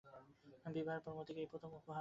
বিবাহের পর মতিকে এই তার প্রথম উপহার।